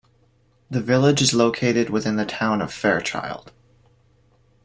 The village is located within the Town of Fairchild.